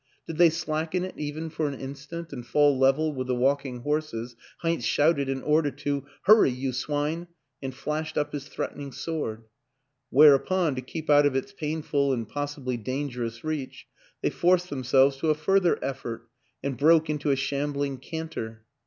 Did they slacken it even for an instant and fall level with the walking horses, Heinz shouted an order to " Hurry, you swine! " and flashed up his threatening sword; whereupon, to keep out of its painful and possibly dangerous reach, they forced themselves to a further effort and broke into a shambling canter.